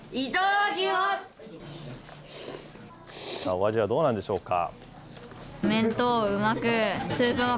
お味はどうなんでしょうか。